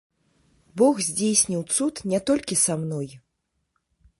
Бог здзейсніў цуд не толькі са мной.